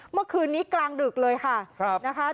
เมื่อคืนนี้กลางดึกเลยค่ะนะคะ